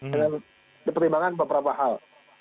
dengan berperimbangan beberapa hal